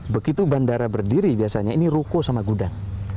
begitu bandara berdiri biasanya ini ruko sama gudang